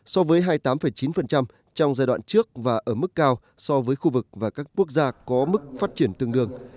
so với hai mươi tám chín trong giai đoạn trước và ở mức cao so với khu vực và các quốc gia có mức phát triển tương đương